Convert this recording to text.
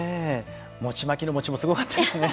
餅まきの餅もすごかったですね。